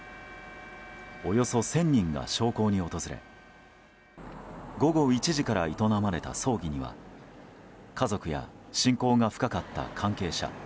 およそ１０００人が焼香に訪れ午後１時から営まれた葬儀には家族や親交が深かった関係者